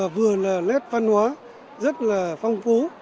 và lét văn hóa rất là phong phú